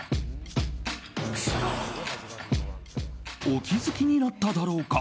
お気づきになっただろうか。